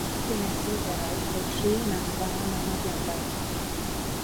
Cafodd naw morwr a dinesydd eraill eu trin am fân anafiadau.